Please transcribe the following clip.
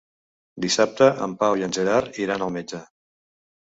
Dissabte en Pau i en Gerard iran al metge.